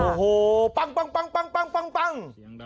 โอ้โหปั้ง